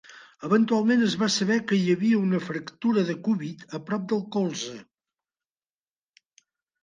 Eventualment es va saber que hi havia una fractura de cúbit a prop del colze.